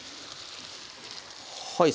はい。